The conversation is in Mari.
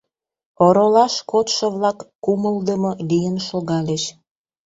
Оролаш кодшо-влак кумылдымо лийын шогальыч.